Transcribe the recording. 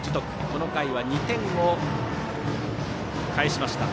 この回は２点を返しました。